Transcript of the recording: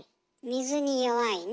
水に弱いね。